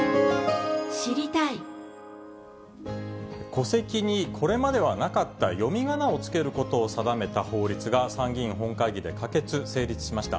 戸籍にこれまではなかった読みがなを付けることを定めた法律が、参議院本会議で可決・成立しました。